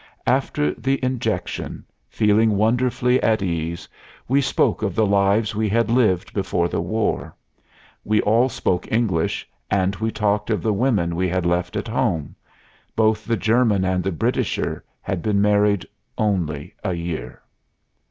After the injection, feeling wonderfully at ease, we spoke of the lives we had lived before the war. We all spoke English, and we talked of the women we had left at home. Both the German and the Britisher had been married only a year....